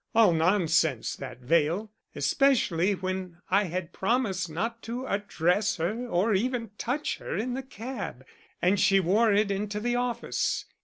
All nonsense that veil, especially when I had promised not to address her or even to touch her in the cab. And she wore it into the office.